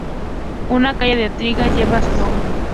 Una calle de Artigas lleva su nombre.